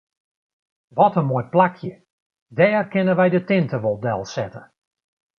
Wat in moai plakje, dêr kinne wy de tinte wol delsette.